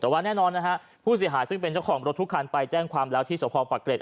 แต่แน่นอนฮะผู้เสียหายซึ่งเป็นเช่าของรถทุกขันไปแจ้งความร้าวที่สวทธิ์ปรากฏ